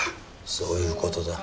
そういうことだ。